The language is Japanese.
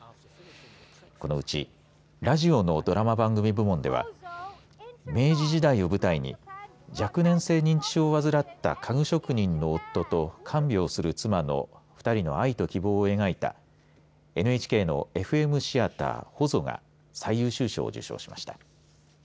このうちラジオのドラマ番組部門では明治時代を舞台に若年性認知症を患った家具職人の夫と看病する妻の２人の愛と希望を描いたＮＨＫのＦＭシアター「ほぞ」が最優秀賞を受賞しました。